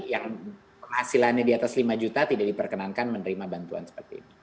yang penghasilannya di atas lima juta tidak diperkenankan menerima bantuan seperti ini